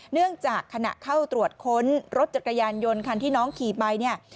เนื่องจากขณะเข้าตรวจค้นรถจักรยานยนต์คันที่น้องขี่ไปเนี่ย